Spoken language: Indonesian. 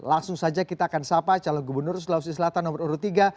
langsung saja kita akan sapa calon gubernur sulawesi selatan nomor urut tiga